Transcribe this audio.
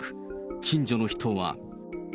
近所の人は。